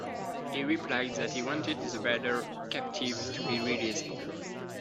He replied that he wanted the Badr captives to be released.